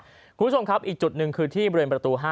คุณผู้ชมครับอีกจุดหนึ่งคือที่บริเวณประตู๕